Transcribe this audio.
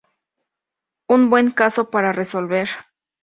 Un buen caso por resolver.